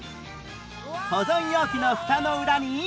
保存容器のふたの裏に